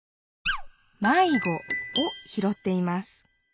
「迷子」をひろっています。